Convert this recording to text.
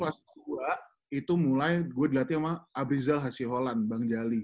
waktu gue kelas dua itu mulai gue dilatih sama abrizal hasyi holland bang jali